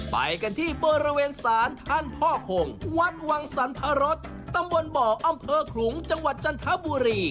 ไปกันที่บริเวณศาลท่านพ่อคงวัดวังสรรพรสตำบลบ่ออำเภอขลุงจังหวัดจันทบุรี